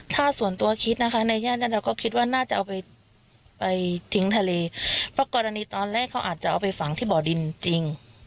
ถ้าส่วนตัวคิดนะคะในแง่นั้นเราก็คิดว่าน่าจะเอาไปทิ้งทะเลเพราะกรณีตอนแรกเขาอาจจะเอาไปฝังที่บ่อดินจริง